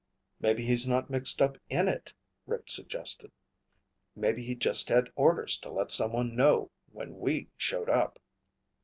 "Maybe he's not mixed up in it," Rick suggested. "Maybe he just had orders to let someone know when we showed up."